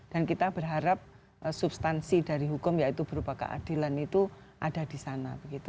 kita berharap substansi dari hukum yaitu berupa keadilan itu ada di sana